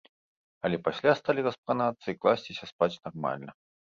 Але пасля сталі распранацца і класціся спаць нармальна.